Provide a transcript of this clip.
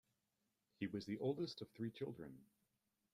He was the oldest of three children.